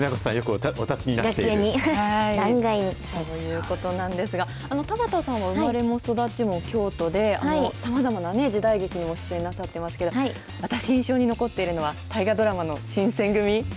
ということなんですが、田畑さんは生まれも育ちも京都で、さまざまな時代劇にも出演なさっていますけれども、私、印象に残っているのは、大河ドラマの新選組！